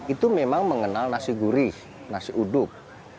itu memang mengenal nasi gurih nasi uduk